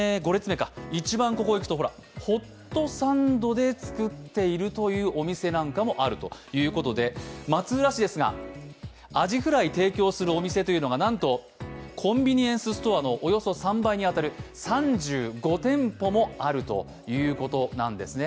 ホットサンドでつくっているというお店なんかもあるということで、松浦市ですが、アジフライを提供するお店がなんとコンビニエンスストアのおよそ３倍に当たる３５店舗にも上るそうなんですね。